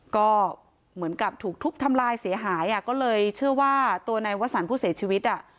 ก็เหมือนกับถูกทุบทำลายเสียหายอ่ะก็เลยเชื่อว่าตัวนายวสันผู้เสียชีวิตอ่ะ